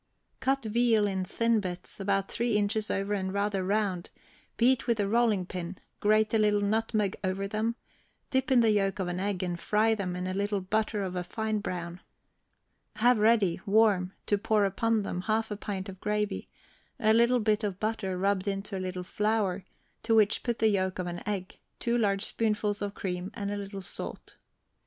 Cut veal in thin bits, about three inches over and rather round, beat with a rolling pin; grate a little nutmeg over them; dip in the yolk of an egg, and fry them in a little butter of a fine brown; have ready, warm, to pour upon them, half a pint of gravy, a little bit of butter rubbed into a little flour, to which put the yolk of an egg, two large spoonfuls of cream, and a little salt.